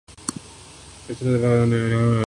یِہ طرح دفاع پر خرچ ہونا والی رقم ملک کرنا